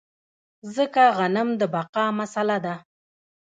ځکه غنم د بقا مسئله ده.